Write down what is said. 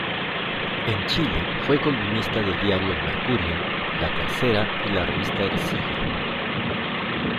En Chile fue columnista del diario "El Mercurio", "La Tercera" y la revista "Ercilla".